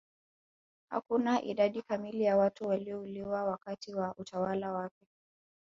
Hakuna idadi kamili ya watu waliouliwa wakati wa utawala wake